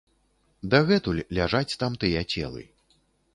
Дагэтуль ляжаць там тыя целы.